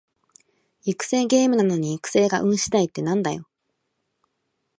育成ゲームなのに育成が運しだいってなんだよ